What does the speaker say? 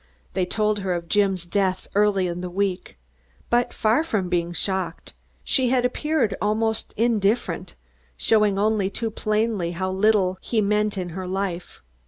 They told her of Jim's death early in the week, but far from being shocked, she had appeared almost indifferent, showing only too plainly how little he meant in her life.